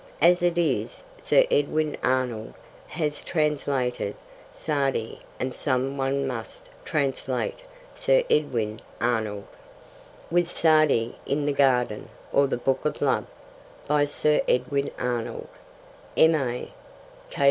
As it is, Sir Edwin Arnold has translated Sa'di and some one must translate Sir Edwin Arnold. With Sa'di in the Garden; or The Book of Love. By Sir Edwin Arnold, M.A.